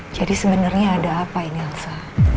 jadi sebenernya ada apa ini elsa